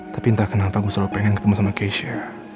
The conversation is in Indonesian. tapi nggak tahu kenapa gue selalu pengen ketemu sama keisha